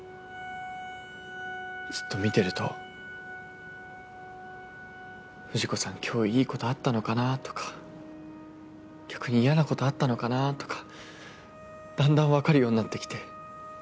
ずっと見てると藤子さん今日いいことあったのかなとか逆に嫌なことあったのかなとかだんだん分かるようになってきて。